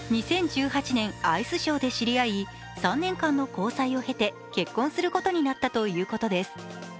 ２０１８年、アイスショーで知り合い３年間の交際を経て結婚することになったということです。